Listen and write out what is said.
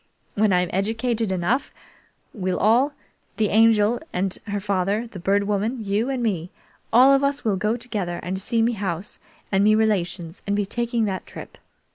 When I'm educated enough, we'll all the Angel and her father, the Bird Woman, you, and me all of us will go together and see me house and me relations and be taking that trip.